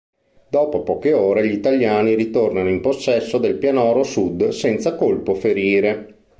Dopo poche ore gli italiani ritornano in possesso del pianoro sud senza colpo ferire.